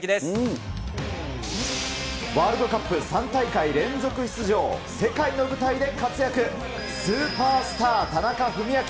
ワールドカップ３大会連続出場、世界の舞台で活躍、スーパースター、田中史朗。